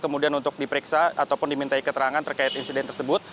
kemudian untuk diperiksa ataupun dimintai keterangan terkait insiden tersebut